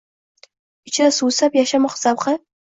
Ichra suvsab yashamoq zavqi.